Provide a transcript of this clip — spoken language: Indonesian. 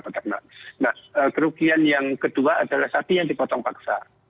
nah kerugian yang kedua adalah sapi yang dipotong paksa